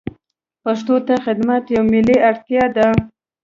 پښتو ته خدمت یوه ملي اړتیا ده.